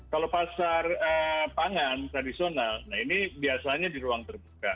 kalau pasar pangan tradisional nah ini biasanya di ruang terbuka